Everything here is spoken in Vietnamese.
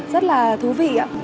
rất là thú vị